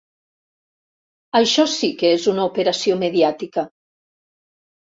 Això sí que és una operació mediàtica!